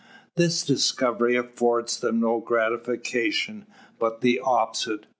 This discovery affords them no gratification, but the opposite.